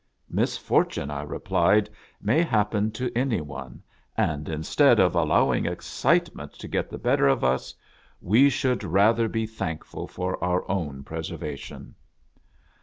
" Misfortune," I replied, "may happen to any one, and instead of allowing excitement to get the better of us, we should rather be thankful fw eur own pres ervation."